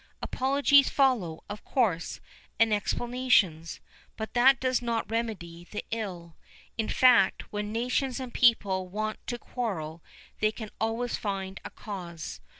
Apologies follow, of course, and explanations; but that does not remedy the ill. In fact, when nations and people want to quarrel, they can always find a cause.